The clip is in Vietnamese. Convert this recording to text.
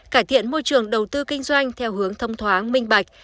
cải thiện môi trường đầu tư kinh doanh theo hướng thông thoáng minh bạch